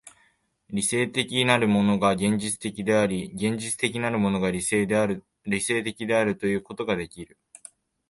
理性的なるものが現実的であり、現実的なるものが理性的であるということができる。